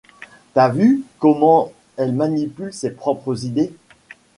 T'as vu comment elle manipule ses propres idées.